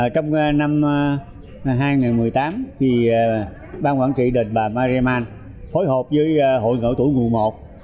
trong năm hai nghìn một mươi tám thì ban quản trị đình bà mariaman hối hộp với hội ngộ tuổi nguồn một